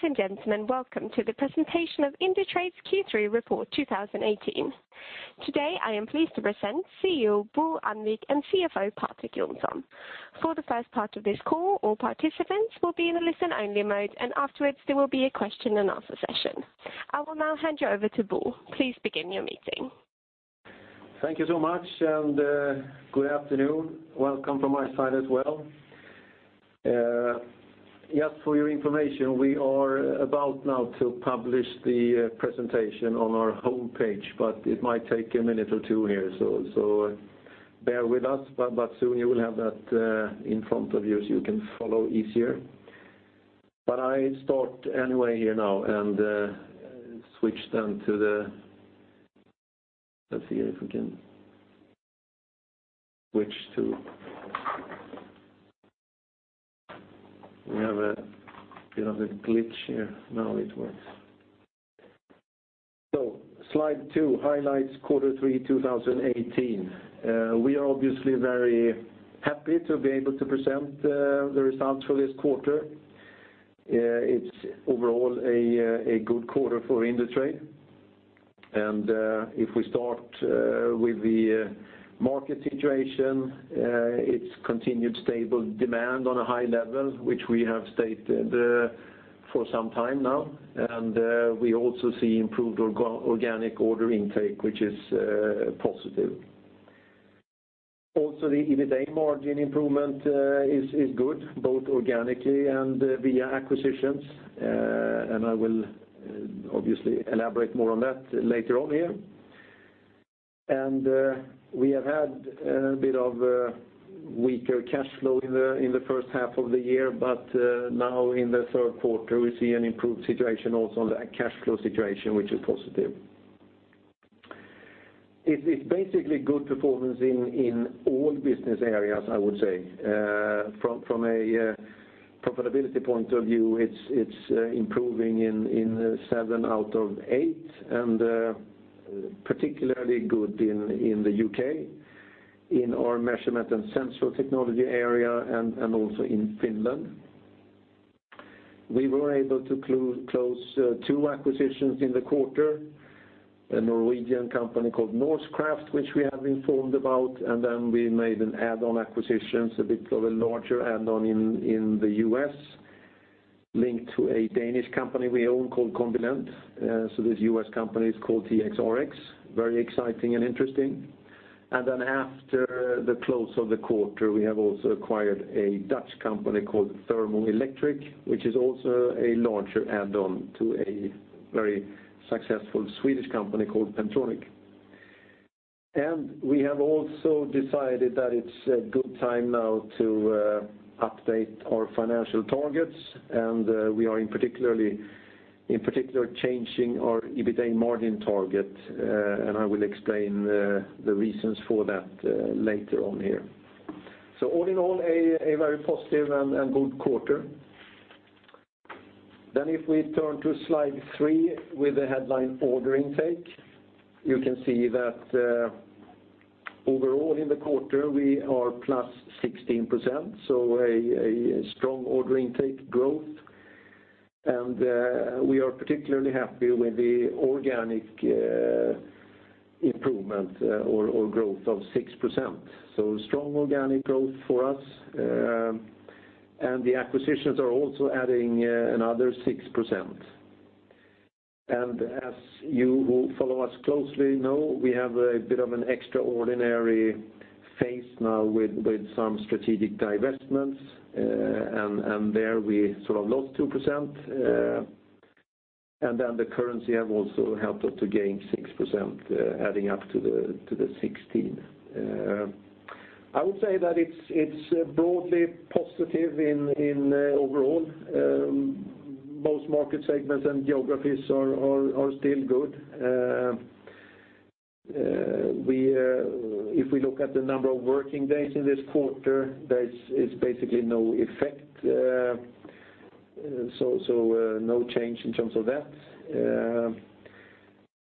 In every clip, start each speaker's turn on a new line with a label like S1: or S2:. S1: Ladies and gentlemen, welcome to the presentation of Indutrade's Q3 Report 2018. Today, I am pleased to present CEO Bo Annvik and CFO Patrik Johnson. For the first part of this call, all participants will be in a listen only mode, and afterwards there will be a question-and-answer session. I will now hand you over to Bo. Please begin your meeting.
S2: Thank you so much. Good afternoon. Welcome from my side as well. Just for your information, we are about now to publish the presentation on our homepage, but it might take a minute or two here, so bear with us. Soon you will have that in front of you, so you can follow easier. I start anyway here now and switch then to the Let's see here if we can switch to. We have a bit of a glitch here. Now it works. Slide two, highlights quarter three, 2018. We are obviously very happy to be able to present the results for this quarter. It's overall a good quarter for Indutrade, and if we start with the market situation, it's continued stable demand on a high level, which we have stated for some time now. We also see improved organic order intake, which is positive. Also, the EBITA margin improvement is good, both organically and via acquisitions. I will obviously elaborate more on that later on here. We have had a bit of weaker cash flow in the first half of the year, but now in the third quarter we see an improved situation also on the cash flow situation, which is positive. It's basically good performance in all business areas, I would say. From a profitability point of view, it's improving in seven out of eight, and particularly good in the U.K., in our Measurement & Sensor Technology area and also in Finland. We were able to close two acquisitions in the quarter, a Norwegian company called Norsecraft, which we have informed about, and then we made an add-on acquisition, a bit of a larger add-on in the U.S., linked to a Danish company we own called Combilent. This U.S. company is called TXRX, very exciting and interesting. After the close of the quarter, we have also acquired a Dutch company called Thermo Electric, which is also a larger add-on to a very successful Swedish company called Pentronic. We have also decided that it's a good time now to update our financial targets, and we are in particular changing our EBITA margin target. I will explain the reasons for that later on here. All in all, a very positive and good quarter. If we turn to Slide three with the headline order intake, you can see that overall in the quarter, we are +16%, so a strong order intake growth. We are particularly happy with the organic improvement or growth of 6%. Strong organic growth for us, and the acquisitions are also adding another 6%. As you who follow us closely know, we have a bit of an extraordinary phase now with some strategic divestments. There we sort of lost 2%. The currency has also helped us to gain 6%, adding up to the 16%. I would say that it's broadly positive overall. Most market segments and geographies are still good. If we look at the number of working days in this quarter, there is basically no effect, so no change in terms of that.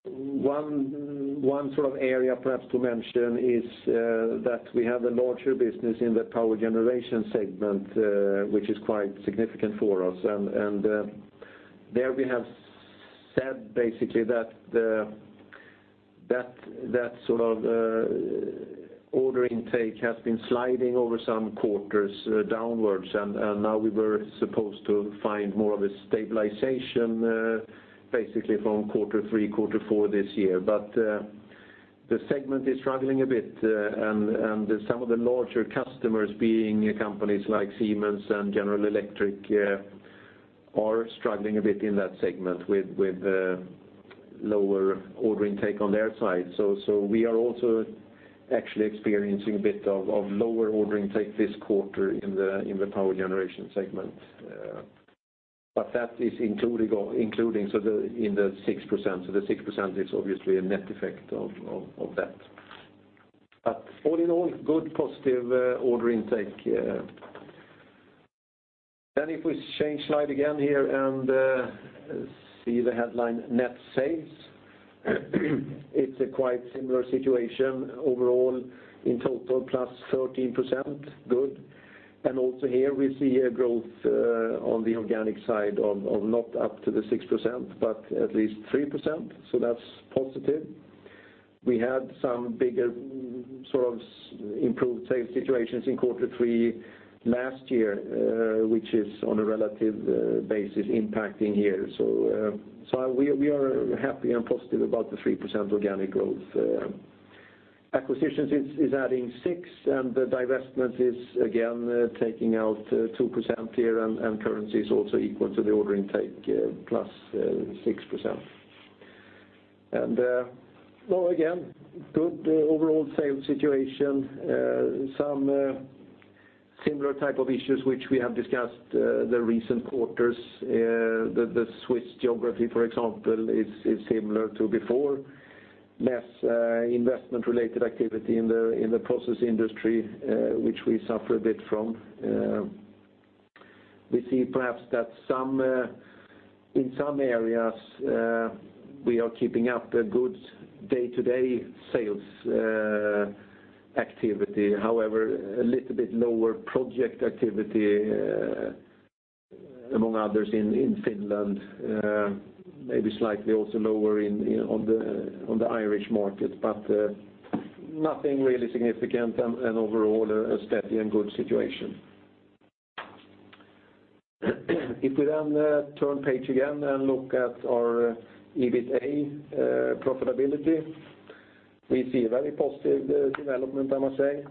S2: One area perhaps to mention is that we have a larger business in the power generation segment, which is quite significant for us. There we have said basically that sort of order intake has been sliding over some quarters downwards, and now we were supposed to find more of a stabilization, basically from Q3, Q4 this year. The segment is struggling a bit, and some of the larger customers, being companies like Siemens and General Electric, are struggling a bit in that segment with lower order intake on their side. We are also actually experiencing a bit of lower order intake this quarter in the power generation segment. That is including in the 6%, so the 6% is obviously a net effect of that. All in all, good positive order intake. If we change slide again here and see the headline net sales, it's a quite similar situation overall. In total, plus 13%, good. Also here we see a growth on the organic side of not up to the 6%, but at least 3%, so that's positive. We had some bigger improved sales situations in Q3 last year, which is on a relative basis impacting here. We are happy and positive about the 3% organic growth. Acquisitions is adding 6%, and the divestment is again taking out 2% here, and currency is also equal to the order intake, +6%. Again, good overall sales situation. Some similar type of issues which we have discussed the recent quarters, the Swiss geography, for example, is similar to before. Less investment-related activity in the process industry, which we suffer a bit from. We see perhaps that in some areas, we are keeping up good day-to-day sales activity. However, a little bit lower project activity, among others in Finland. Maybe slightly also lower on the Irish market, but nothing really significant, and overall, a steady and good situation. If we turn page again and look at our EBITA profitability, we see a very positive development, I must say,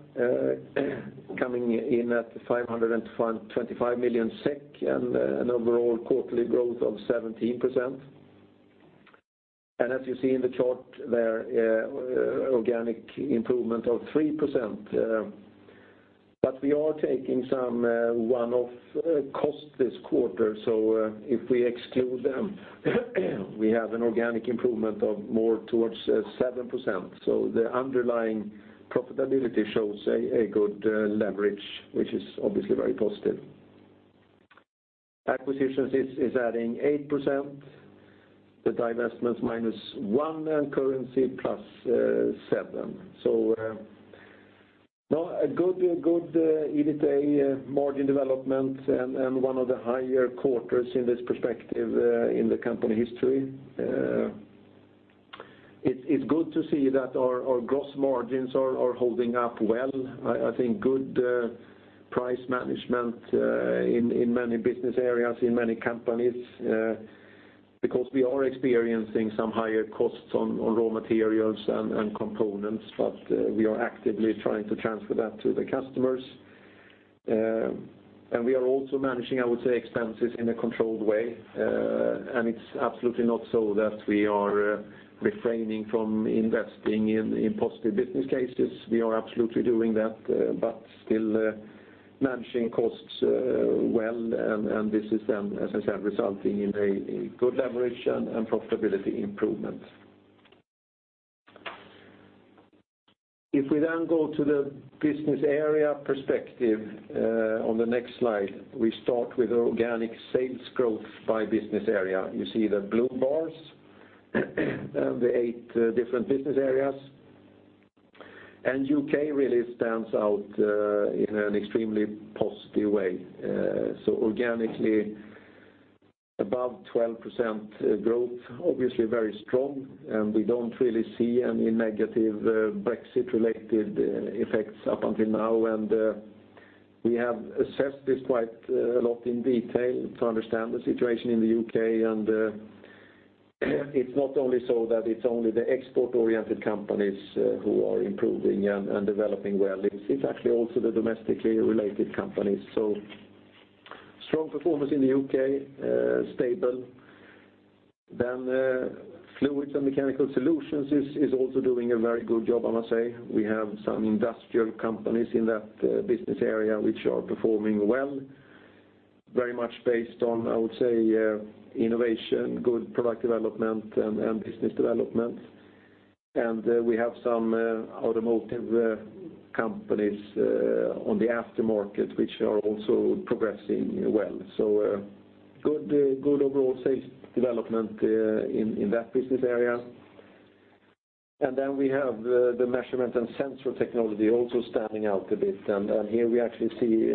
S2: coming in at 525 million SEK and an overall quarterly growth of 17%. As you see in the chart there, organic improvement of 3%. We are taking some one-off costs this quarter, so if we exclude them, we have an organic improvement of more towards 7%. The underlying profitability shows a good leverage, which is obviously very positive. Acquisitions is adding 8%, the divestments -1%, and currency +7%. A good EBITA margin development and one of the higher quarters in this perspective in the company history. It's good to see that our gross margins are holding up well. I think good price management in many business areas, in many companies, because we are experiencing some higher costs on raw materials and components, but we are actively trying to transfer that to the customers. We are also managing, I would say, expenses in a controlled way. It's absolutely not so that we are refraining from investing in positive business cases. We are absolutely doing that, but still managing costs well, this is then, as I said, resulting in a good leverage and profitability improvement. We then go to the business area perspective on the next slide, we start with organic sales growth by business area. You see the blue bars, the eight different business areas. U.K. really stands out in an extremely positive way. Organically, above 12% growth, obviously very strong, and we don't really see any negative Brexit-related effects up until now. We have assessed this quite a lot in detail to understand the situation in the U.K., it's not only so that it's only the export-oriented companies who are improving and developing well. It's actually also the domestically related companies. Strong performance in the U.K., stable. Fluids and Mechanical Solutions is also doing a very good job, I must say. We have some industrial companies in that business area which are performing well, very much based on, I would say, innovation, good product development, and business development. We have some automotive companies on the aftermarket, which are also progressing well. Good overall sales development in that business area. We have the Measurement & Sensor Technology also standing out a bit. Here we actually see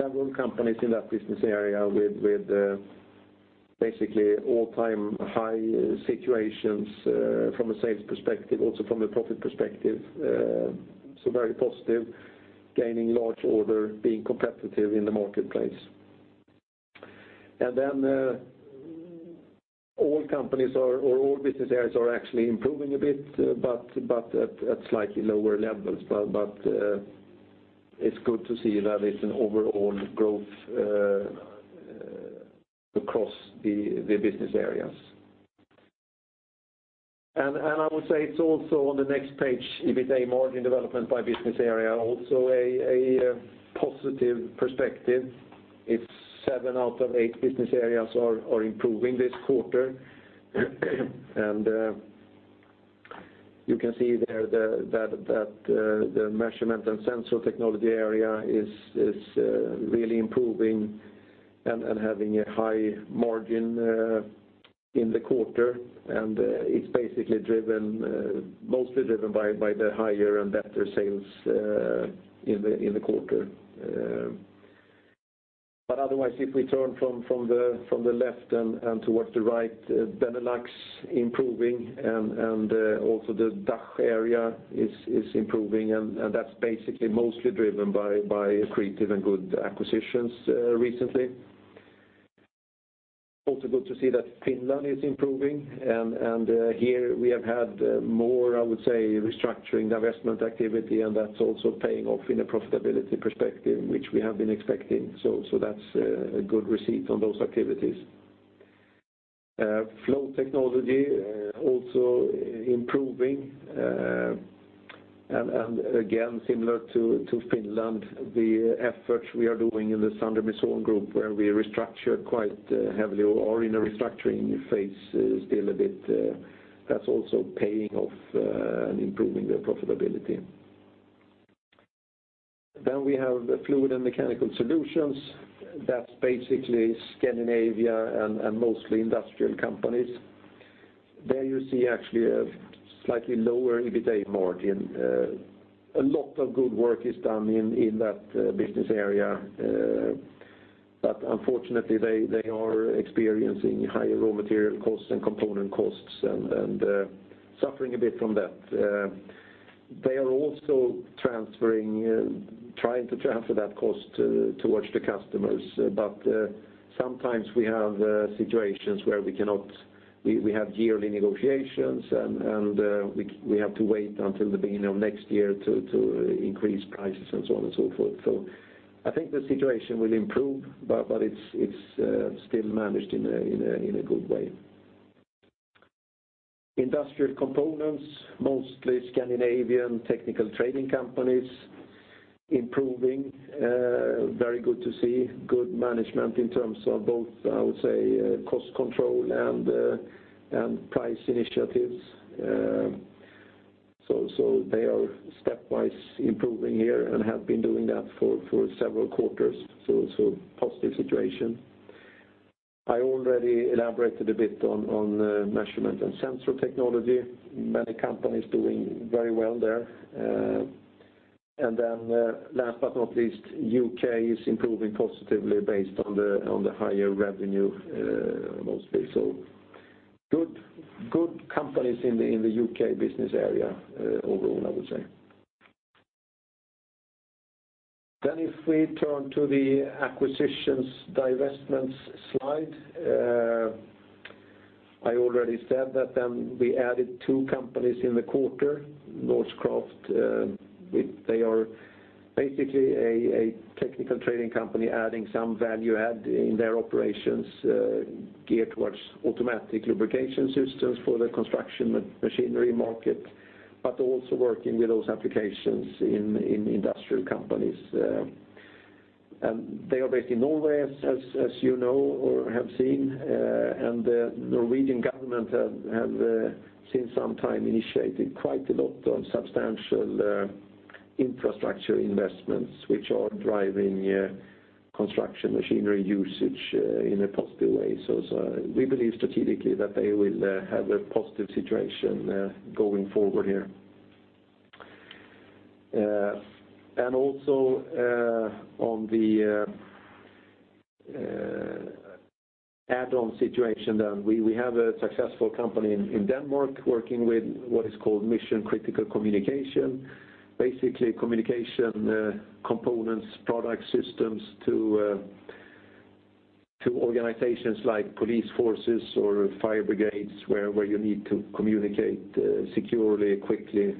S2: several companies in that business area with basically all-time high situations from a sales perspective, also from a profit perspective. Very positive, gaining large order, being competitive in the marketplace. All companies or all business areas are actually improving a bit, but at slightly lower levels. It's good to see that it's an overall growth across the business areas. I would say it's also on the next page, EBITA margin development by business area, also a positive perspective. Seven out of eight business areas are improving this quarter. You can see there that the Measurement & Sensor Technology area is really improving and having a high margin in the quarter, and it's basically mostly driven by the higher and better sales in the quarter. Otherwise, if we turn from the left and towards the right, Benelux improving, the DACH area is improving, that's basically mostly driven by creative and good acquisitions recently. Good to see that Finland is improving, here we have had more, I would say, restructuring divestment activity, that's also paying off in a profitability perspective, which we have been expecting. That's a good receipt on those activities. Flow Technology also improving, again, similar to Finland, the efforts we are doing in the Sandem & Sønn group where we restructured quite heavily or are in a restructuring phase still a bit, that's also paying off and improving their profitability. We have the Fluids and Mechanical Solutions that's basically Scandinavia and mostly industrial companies. There you see actually a slightly lower EBITDA margin. A lot of good work is done in that business area. Unfortunately, they are experiencing higher raw material costs and component costs and suffering a bit from that. They are also trying to transfer that cost towards the customers, but sometimes we have situations where we have yearly negotiations, and we have to wait until the beginning of next year to increase prices and so on and so forth. I think the situation will improve, but it's still managed in a good way. Industrial Components, mostly Scandinavian technical trading companies, improving. Very good to see. Good management in terms of both, I would say, cost control and price initiatives. They are stepwise improving here and have been doing that for several quarters, so positive situation. I already elaborated a bit on Measurement & Sensor Technology. Many companies doing very well there. Last but not least, U.K. is improving positively based on the higher revenue, mostly. Good companies in the U.K. business area overall, I would say. If we turn to the acquisitions, divestments slide, I already said that then we added two companies in the quarter, Norsecraft. They are basically a technical trading company, adding some value add in their operations geared towards automatic lubrication systems for the construction machinery market, but also working with those applications in industrial companies. They are based in Norway as you know or have seen, the Norwegian government have since some time initiated quite a lot on substantial infrastructure investments, which are driving construction machinery usage in a positive way. We believe strategically that they will have a positive situation going forward here. Also on the add-on situation, we have a successful company in Denmark working with what is called mission-critical communication. Basically communication components, product systems to organizations like police forces or fire brigades where you need to communicate securely, quickly.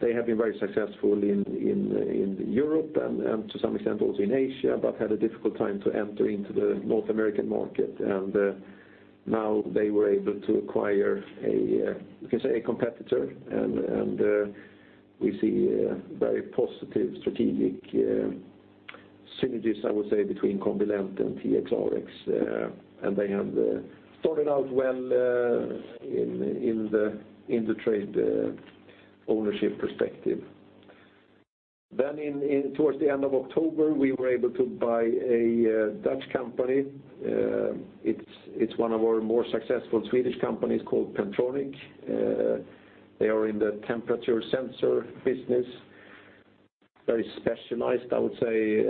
S2: They have been very successful in Europe and to some extent also in Asia, but had a difficult time to enter into the North American market. Now they were able to acquire, you can say, a competitor, we see very positive strategic synergies, I would say, between Combilent and TXRX. They have started out well in the trade ownership perspective. Towards the end of October, we were able to buy a Dutch company. It's one of our more successful Swedish companies called Pentronic. They are in the temperature sensor business. Very specialized, I would say,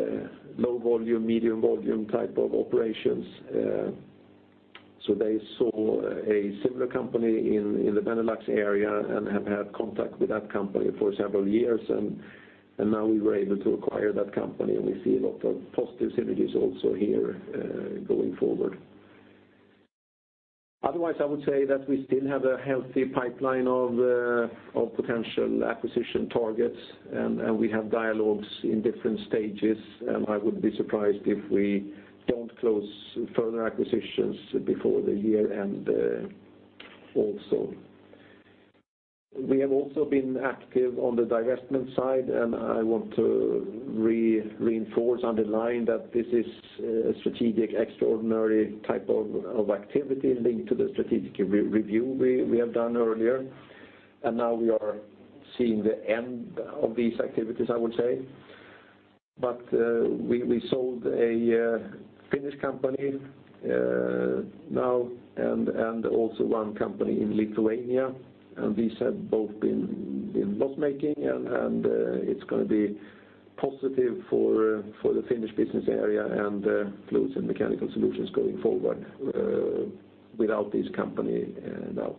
S2: low volume, medium volume type of operations. They saw a similar company in the Benelux area and have had contact with that company for several years. Now we were able to acquire that company, we see a lot of positive synergies also here going forward. Otherwise, I would say that we still have a healthy pipeline of potential acquisition targets, and we have dialogues in different stages, I would be surprised if we don't close further acquisitions before the year-end also. We have also been active on the divestment side, I want to reinforce, underline that this is a strategic, extraordinary type of activity linked to the strategic review we have done earlier. Now we are seeing the end of these activities, I would say. We sold a Finnish company now and also one company in Lithuania, and these have both been loss-making, and it's going to be positive for the Finnish business area and Fluids and Mechanical Solutions going forward without this company now.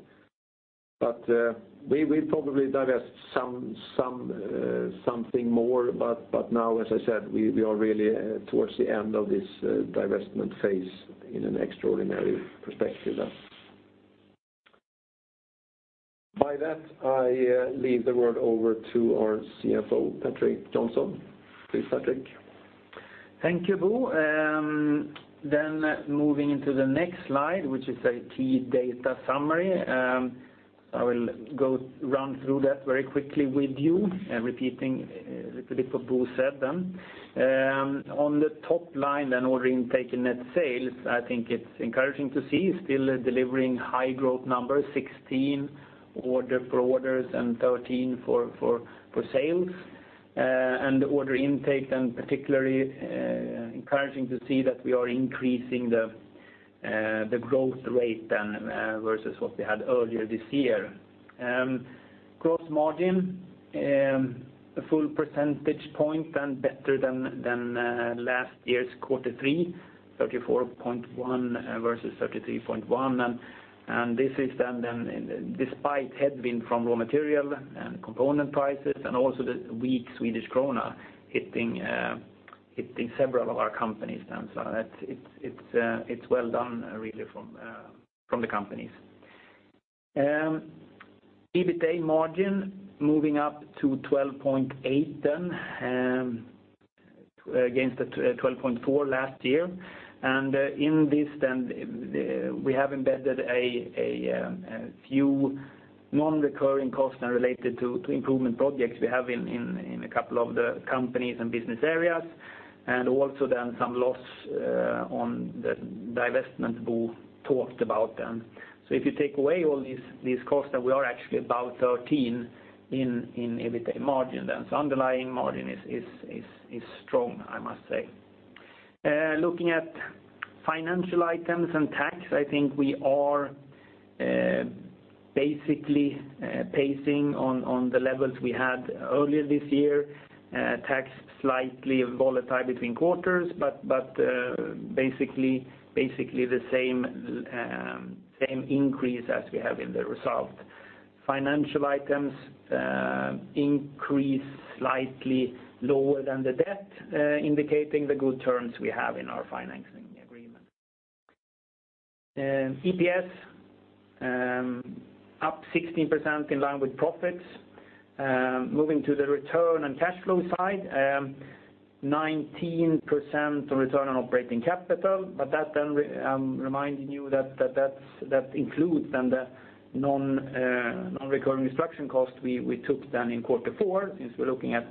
S2: We'll probably divest something more. Now, as I said, we are really towards the end of this divestment phase in an extraordinary perspective then. By that, I leave the word over to our CFO, Patrik Johnson. Please, Patrik.
S3: Thank you, Bo. Moving into the next slide, which is a key data summary. I will run through that very quickly with you, repeating a little bit what Bo said. On the top line, order intake and net sales, I think it's encouraging to see still delivering high growth numbers, 16% for orders and 13% for sales. Order intake then, particularly encouraging to see that we are increasing the growth rate versus what we had earlier this year. Gross margin, a full percentage point and better than last year's quarter three, 34.1% versus 33.1%. This is then despite headwind from raw material and component prices and also the weak Swedish krona hitting several of our companies then. It's well done, really, from the companies. EBITA margin moving up to 12.8% against the 12.4% last year. In this then, we have embedded a few non-recurring costs now related to improvement projects we have in a couple of the companies and business areas, also then some loss on the divestment Bo talked about. If you take away all these costs, then we are actually about 13% in EBITA margin. Underlying margin is strong, I must say. Looking at financial items and tax, I think we are basically pacing on the levels we had earlier this year. Tax slightly volatile between quarters, but basically the same increase as we have in the result. Financial items increase slightly lower than the debt, indicating the good terms we have in our financing agreement. EPS up 16%, in line with profits. Moving to the return and cash flow side, 19% on return on operating capital, that then reminding you that includes the non-recurring restructuring cost we took in quarter four, since we're looking at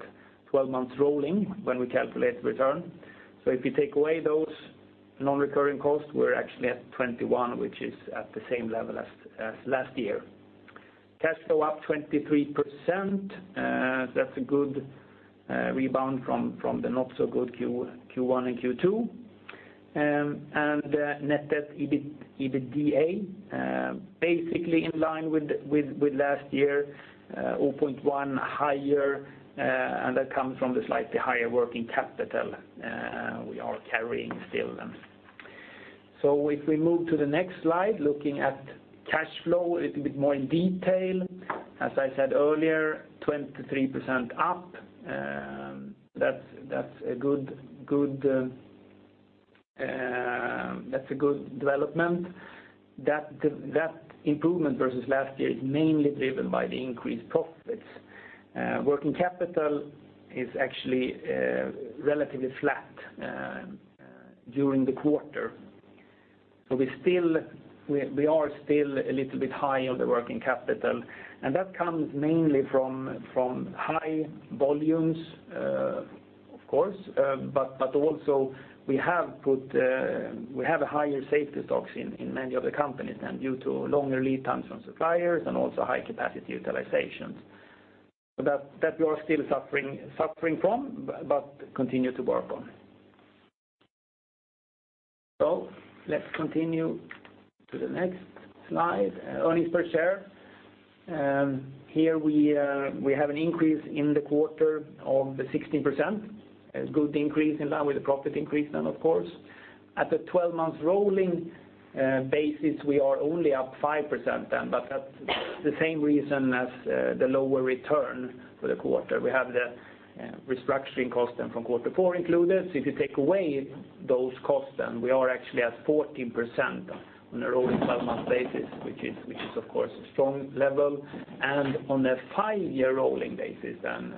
S3: 12 months rolling when we calculate return. If you take away those non-recurring costs, we're actually at 21%, which is at the same level as last year. Cash flow up 23%. That's a good rebound from the not-so-good Q1 and Q2. Net debt EBITDA, basically in line with last year, 0.1 higher, and that comes from the slightly higher working capital we are carrying still. If we move to the next slide, looking at cash flow a little bit more in detail. As I said earlier, 23% up. That's a good development. That improvement versus last year is mainly driven by the increased profits. Working capital is actually relatively flat during the quarter. We are still a little bit high on the working capital, and that comes mainly from high volumes, of course, but also we have a higher safety stocks in many of the companies then due to longer lead times from suppliers and also high-capacity utilizations. That we are still suffering from but continue to work on. Let's continue to the next slide. Earnings per share. Here we have an increase in the quarter of the 16%, a good increase in line with the profit increase then, of course. At the 12 months rolling basis, we are only up 5% then, but that's the same reason as the lower return for the quarter. We have the restructuring cost then from quarter four included. If you take away those costs, then we are actually at 14% on a rolling 12-month basis, which is, of course, a strong level. On a five-year rolling basis then,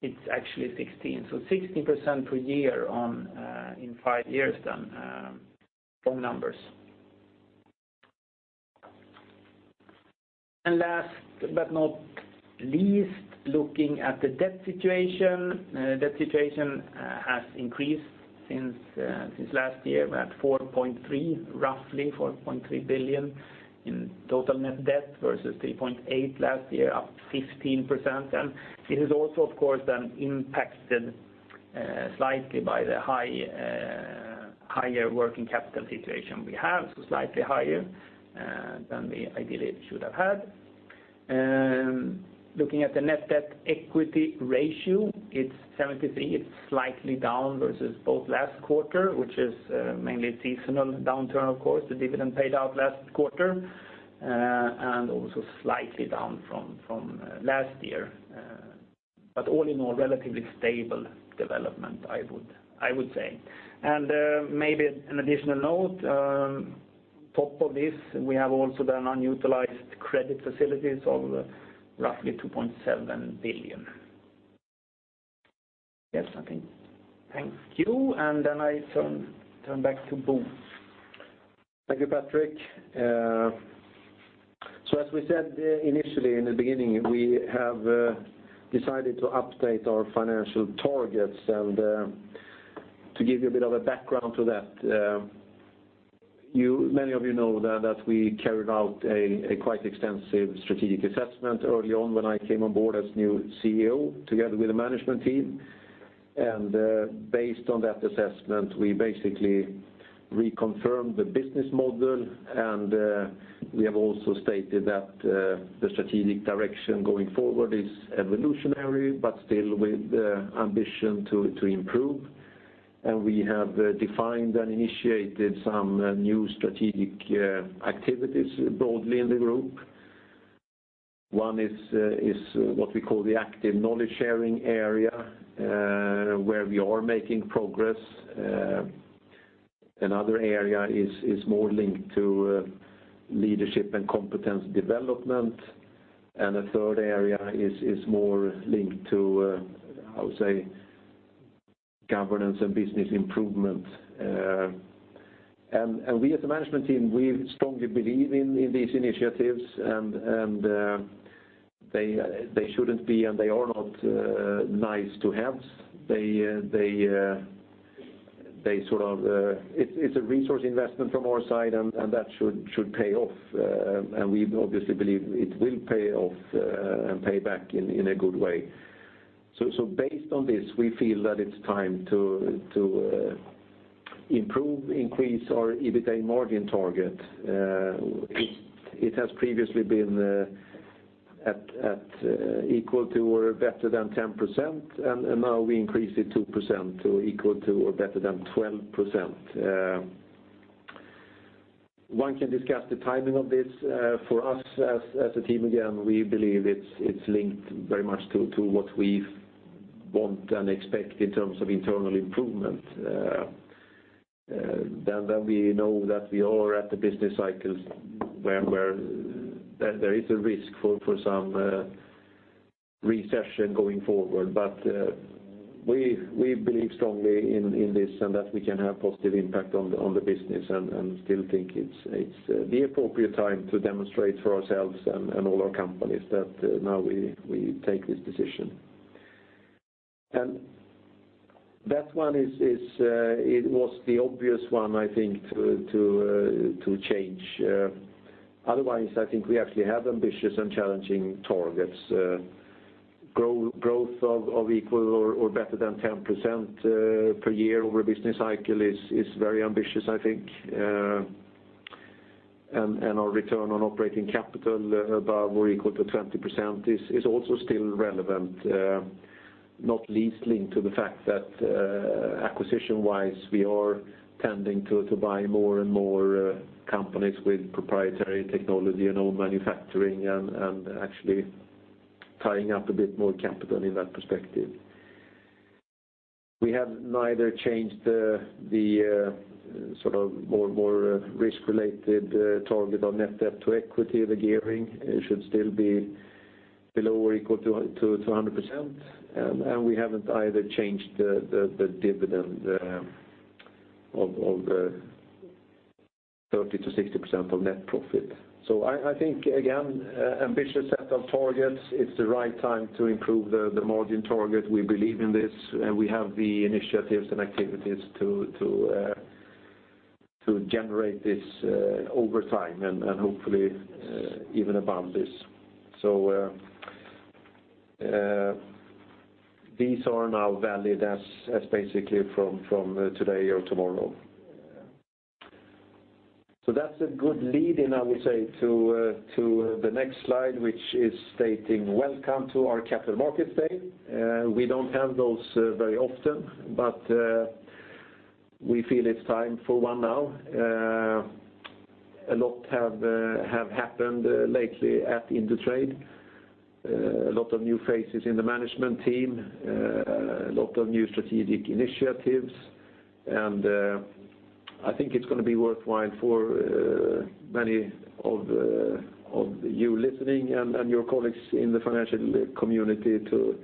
S3: it's actually 16%. 16% per year in five years then. Strong numbers. Last but not least, looking at the debt situation. Debt situation has increased since last year. We're at roughly 4.3 billion in total net debt versus 3.8 billion last year, up 15%. This is also, of course, then impacted slightly by the higher working capital situation we have, so slightly higher than we ideally should have had. Looking at the net debt equity ratio, it's 73%. It's slightly down versus both last quarter, which is mainly seasonal downturn, of course, the dividend paid out last quarter, and also slightly down from last year. All in all, relatively stable development, I would say. Maybe an additional note, on top of this, we have also the unutilized credit facilities of roughly 2.7 billion. Yes, I think thank you. Then I turn back to Bo.
S2: Thank you, Patrik. As we said initially in the beginning, we have decided to update our financial targets. To give you a bit of a background to that, many of you know that we carried out a quite extensive strategic assessment early on when I came on board as new CEO together with the management team. Based on that assessment, we basically reconfirmed the business model, and we have also stated that the strategic direction going forward is evolutionary, but still with the ambition to improve. We have defined and initiated some new strategic activities broadly in the group. One is what we call the active knowledge-sharing area, where we are making progress. Another area is more linked to leadership and competence development. A third area is more linked to, how to say, governance and business improvement. We as a management team, we strongly believe in these initiatives, they are not nice to have. It's a resource investment from our side, and that should pay off. We obviously believe it will pay off and pay back in a good way. Based on this, we feel that it's time to improve, increase our EBITA margin target. It has previously been at equal to or better than 10%, and now we increase it 2% to equal to or better than 12%. One can discuss the timing of this. For us as a team, again, we believe it's linked very much to what we want and expect in terms of internal improvement. We know that we are at the business cycles where there is a risk for some recession going forward. We believe strongly in this and that we can have positive impact on the business and still think it's the appropriate time to demonstrate for ourselves and all our companies that now we take this decision. That one was the obvious one, I think, to change. Otherwise, I think we actually have ambitious and challenging targets. Growth of equal or better than 10% per year over a business cycle is very ambitious, I think. Our return on operating capital above or equal to 20% is also still relevant, not least linked to the fact that acquisition-wise, we are tending to buy more and more companies with proprietary technology and all manufacturing and actually tying up a bit more capital in that perspective. We have neither changed the more risk-related target of net debt to equity. The gearing should still be below or equal to 100%. We haven't either changed the dividend of 30%-60% of net profit. I think, again, ambitious set of targets. It's the right time to improve the margin target. We believe in this, and we have the initiatives and activities to generate this over time and hopefully even above this. These are now valid as basically from today or tomorrow. That's a good lead in, I would say, to the next slide, which is stating, welcome to our Capital Markets Day. We don't have those very often, but we feel it's time for one now. A lot have happened lately at Indutrade. A lot of new faces in the management team, a lot of new strategic initiatives, I think it's going to be worthwhile for many of you listening and your colleagues in the financial community to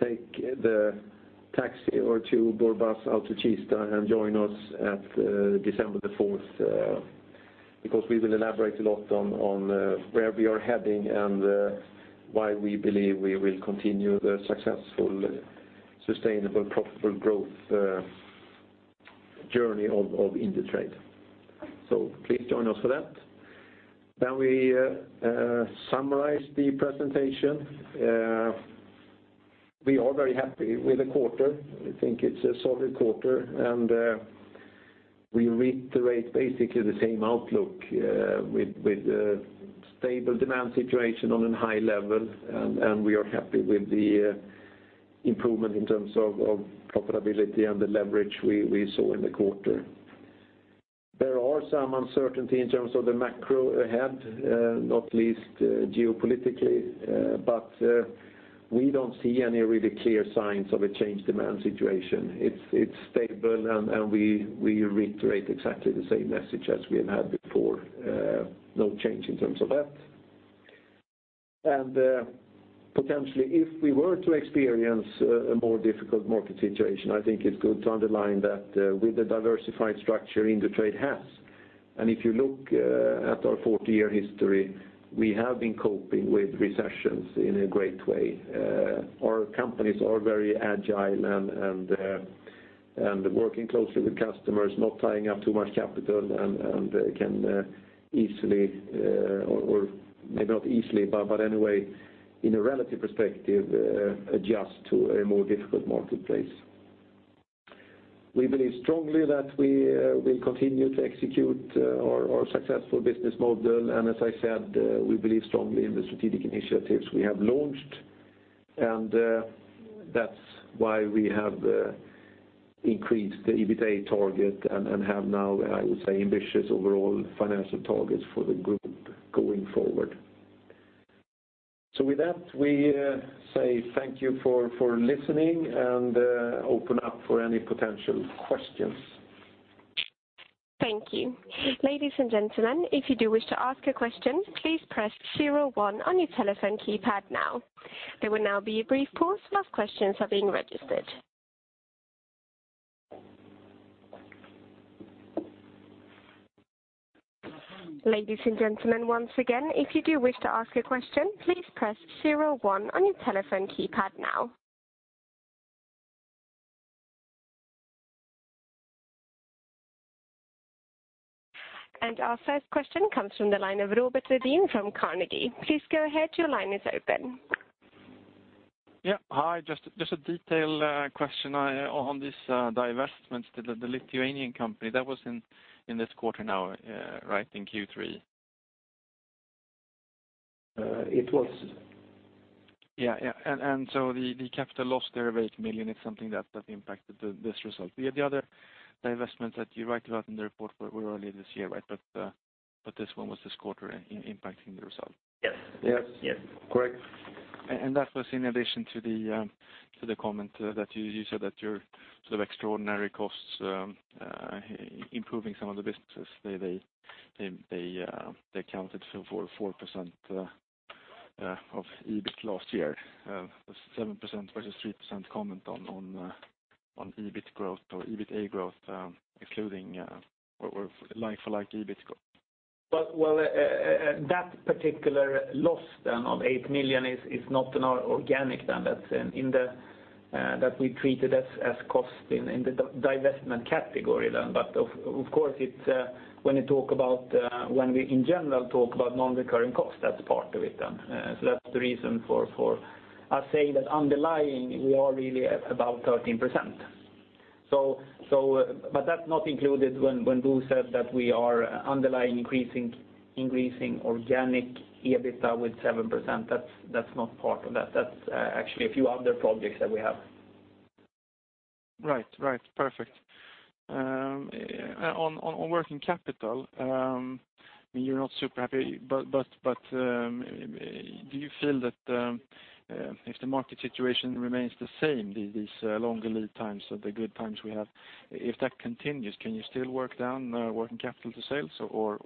S2: take the taxi or two board bus out to Kista and join us at December 4th. We will elaborate a lot on where we are heading and why we believe we will continue the successful, sustainable, profitable growth journey of Indutrade. Please join us for that. We summarize the presentation. We are very happy with the quarter. I think it's a solid quarter, we reiterate basically the same outlook with stable demand situation on a high level, we are happy with the improvement in terms of profitability and the leverage we saw in the quarter. There are some uncertainty in terms of the macro ahead, not least geopolitically, but we don't see any really clear signs of a change demand situation. It's stable, and we reiterate exactly the same message as we have had before. No change in terms of that. Potentially if we were to experience a more difficult market situation, I think it's good to underline that with the diversified structure Indutrade has, and if you look at our 40-year history, we have been coping with recessions in a great way. Our companies are very agile and working closely with customers, not tying up too much capital and can easily, or maybe not easily, but anyway, in a relative perspective, adjust to a more difficult marketplace. We believe strongly that we will continue to execute our successful business model, and as I said, we believe strongly in the strategic initiatives we have launched. That's why we have increased the EBITA target and have now, I would say, ambitious overall financial targets for the group going forward. With that, we say thank you for listening and open up for any potential questions.
S1: Thank you. Ladies and gentlemen, if you do wish to ask a question, please press zero one on your telephone keypad now. There will now be a brief pause while questions are being registered. Ladies and gentlemen, once again, if you do wish to ask a question, please press zero one your telephone keypad now. Our first question comes from the line of Robert Redin from Carnegie. Please go ahead, your line is open.
S4: Yeah. Hi, just a detail question on this divestments to the Lithuanian company that was in this quarter now, right, in Q3?
S2: It was.
S4: Yeah. The capital loss there of 8 million is something that impacted this result. The other divestments that you write about in the report were earlier this year, right? This one was this quarter impacting the result.
S2: Yes.
S3: Yes. Yes. Correct.
S4: That was in addition to the comment that you said that your sort of extraordinary costs improving some of the businesses, they counted for 4% of EBIT last year. 7% versus 3% comment on EBIT growth or EBITDA growth, excluding or like for like EBIT growth.
S3: That particular loss of 8 million is not in our organic. That we treated as cost in the divestment category. Of course, when we in general talk about non-recurring costs, that is part of it. That is the reason for us saying that underlying, we are really at about 13%. That is not included when Bo said that we are underlying increasing organic EBITDA with 7%. That is not part of that. That is actually a few other projects that we have.
S4: Right. Perfect. On working capital, you are not super happy. Do you feel that if the market situation remains the same, these longer lead times or the good times we have, if that continues, can you still work down working capital to sales, or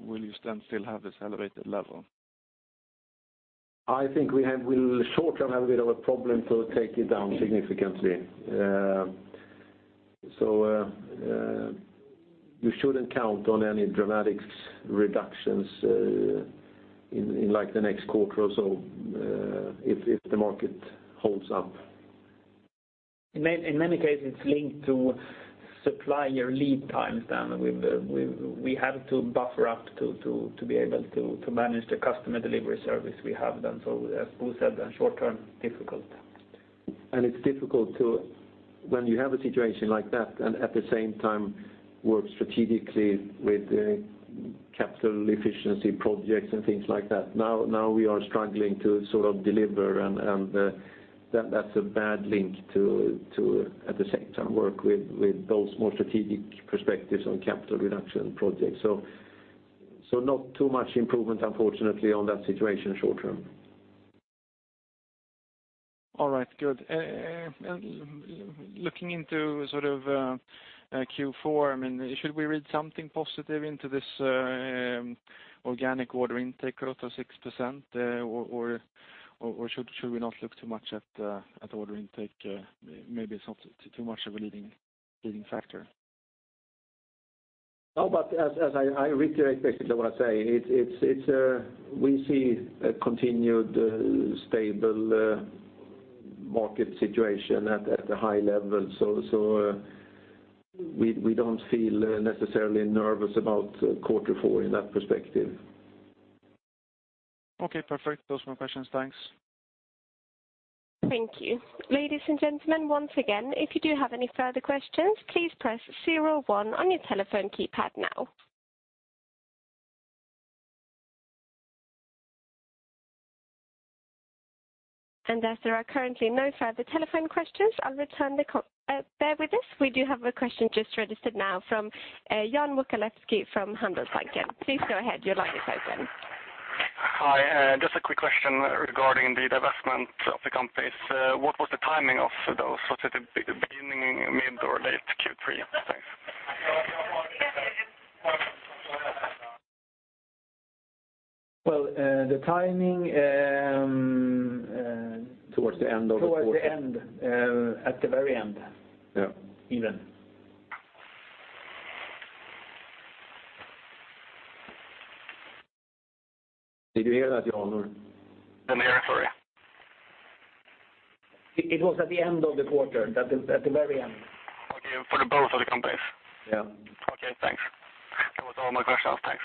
S4: will you still have this elevated level?
S2: I think we will short-term have a bit of a problem to take it down significantly. You should not count on any dramatic reductions in the next quarter or so if the market holds up.
S3: In many cases, it is linked to supplier lead times. We have to buffer up to be able to manage the customer delivery service we have. As Bo said, the short-term is difficult.
S2: It's difficult to, when you have a situation like that, and at the same time work strategically with capital efficiency projects and things like that. We are struggling to sort of deliver, and that's a bad link to, at the same time, work with those more strategic perspectives on capital reduction projects. Not too much improvement, unfortunately, on that situation short-term.
S4: All right. Good. Looking into Q4, should we read something positive into this organic order intake growth of 6%? Should we not look too much at order intake? Maybe it's not too much of a leading factor.
S2: Robert, no, as I reiterate basically what I say, we see a continued stable market situation at a high level. We don't feel necessarily nervous about quarter four in that perspective.
S4: Okay, perfect. Those are my questions. Thanks.
S1: Thank you. Ladies and gentlemen, once again, if you do have any further questions, please press zero one on your telephone keypad now. As there are currently no further telephone questions. Bear with us. We do have a question just registered now from Jan Wokalewski from Handelsbanken. Please go ahead. Your line is open.
S5: Hi. Just a quick question regarding the divestment of the companies. What was the timing of those? Was it at the beginning, mid, or late Q3? Thanks.
S3: Well, the timing-
S2: Towards the end of the quarter.
S3: towards the end. At the very end.
S2: Yeah.
S3: Even. Did you hear that, Jan, or?
S5: I'm here. Sorry.
S3: It was at the end of the quarter. At the very end.
S5: Okay. For the both of the companies?
S3: Yeah.
S5: Okay, thanks. That was all my questions. Thanks.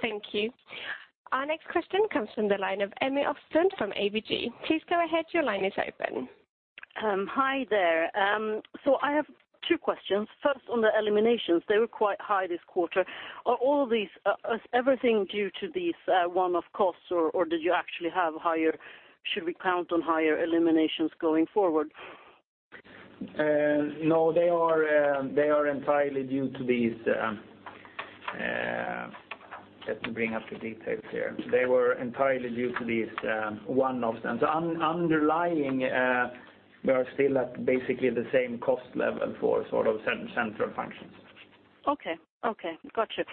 S1: Thank you. Our next question comes from the line of Emmi Östlund from ABG. Please go ahead, your line is open.
S6: Hi there. I have two questions. First, on the eliminations, they were quite high this quarter. Are everything due to these one-off costs, or did you actually have higher, should we count on higher eliminations going forward?
S3: No, they are entirely due to these, let me bring up the details here. They were entirely due to these one-offs. Underlying, we are still at basically the same cost level for sort of central functions.
S6: Okay. Got you.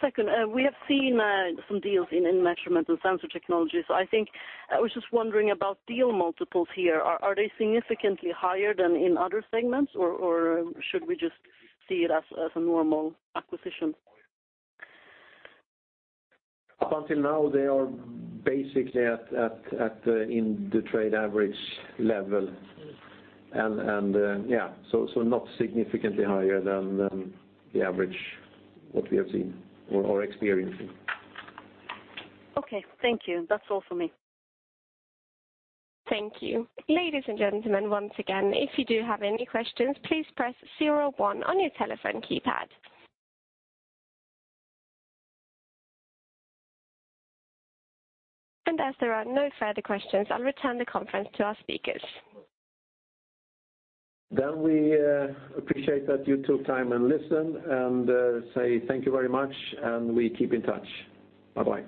S6: Second, we have seen some deals in Measurement & Sensor Technology. I was just wondering about deal multiples here. Are they significantly higher than in other segments, or should we just see it as a normal acquisition?
S3: Up until now, they are basically in the trade average level. Not significantly higher than the average, what we have seen or experiencing.
S6: Okay. Thank you. That's all for me.
S1: Thank you. Ladies and gentlemen, once again, if you do have any questions, please press zero one on your telephone keypad. As there are no further questions, I'll return the conference to our speakers.
S3: We appreciate that you took time and listened, and say thank you very much, and we keep in touch. Bye-bye.